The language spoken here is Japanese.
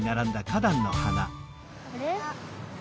あれ？